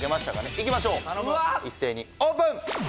いきましょう一斉にオープン！